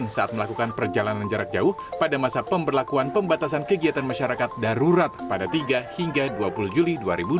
saat melakukan perjalanan jarak jauh pada masa pemberlakuan pembatasan kegiatan masyarakat darurat pada tiga hingga dua puluh juli dua ribu dua puluh